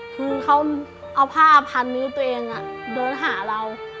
คือเขาเอาผ้าพันนิ้วตัวเองเดินหาเรา